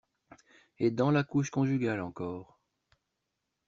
Et dans la couche conjugale encore!